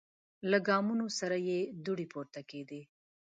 له ګامونو سره یې دوړې پورته کیدې.